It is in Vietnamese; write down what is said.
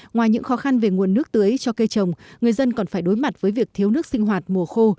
ngoài những khó khăn về nguồn nước tưới cho cây trồng người dân còn phải đối mặt với việc thiếu nước sinh hoạt mùa khô